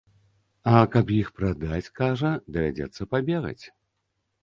А каб іх прадаць, кажа, давядзецца пабегаць.